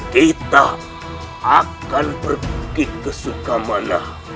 kita akan pergi ke sukamana